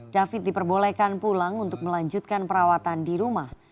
david diperbolehkan pulang untuk melanjutkan perawatan di rumah